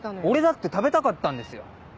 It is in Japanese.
俺だって食べたかったんですよ！